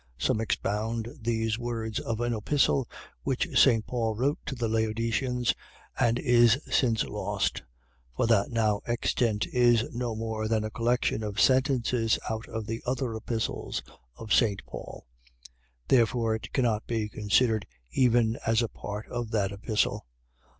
Some expound these words of an epistle which St. Paul wrote to the Laodiceans, and is since lost, for that now extant is no more than a collection of sentences out of the other epistles of St. Paul; therefore it cannot be considered even as a part of that epistle.